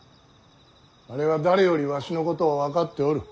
あれは誰よりわしのことを分かっておる。